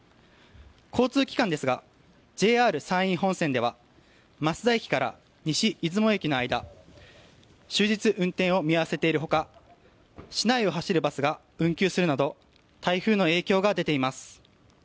交通機関ですがＪＲ山陰本線では益田駅から西出雲駅の間終日運転を見合わせているほか市内を走るバスが運休するなど台風の影響が出ています。